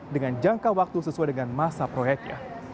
dengan jangka waktu sesuai dengan masa proyeknya